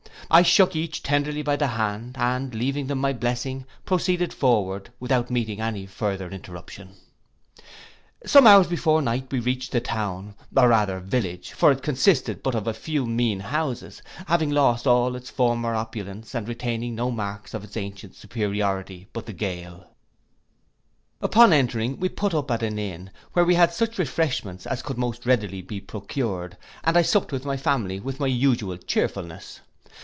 I shook each tenderly by the hand, and leaving them my blessing, proceeded forward without meeting any farther interruption. Some hours before night we reached the town, or rather village; for it consisted but of a few mean houses, having lost all its former opulence, and retaining no marks of its ancient superiority but the gaol. Upon entering, we put up at an inn, where we had such refreshments as could most readily be procured, and I supped with my family with my usual cheerfulness.